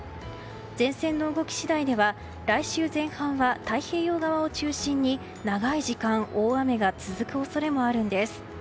前線の動き次第では来週前半は太平洋側を中心に長い時間大雨が続く恐れもあるんです。